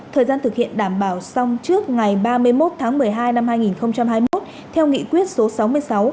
thời gian thực hiện đảm bảo xong trước ngày ba mươi một tháng một mươi hai năm hai nghìn hai mươi một theo nghị quyết số sáu mươi sáu